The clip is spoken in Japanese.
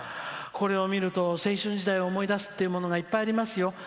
これを見ると青春時代を思い出すというものがいっぱいありますよ。